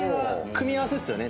組み合わせっすよね。